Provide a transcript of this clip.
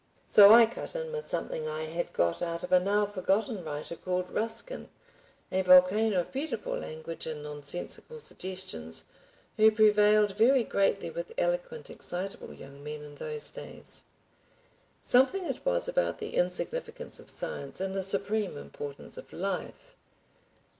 So I cut in with something I had got out of a now forgotten writer called Ruskin, a volcano of beautiful language and nonsensical suggestions, who prevailed very greatly with eloquent excitable young men in those days. Something it was about the insignificance of science and the supreme importance of Life.